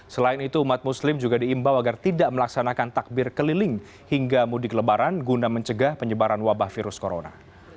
selain itu umat muslim juga diimbau agar tidak melaksanakan takbir keliling hingga mudik lebaran guna mencegah penyebaran wabah virus corona